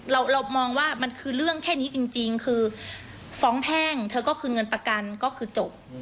เรามองว่ามันคือเรื่องแค่นี้จริงคือฟ้องแพ่งเธอก็คืนเงินประกันก็คือจบ